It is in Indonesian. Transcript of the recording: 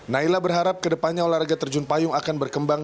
naila berharap kedepannya olahraga terjun payung akan berkembang